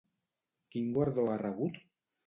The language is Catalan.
Quin guardó ha rebut?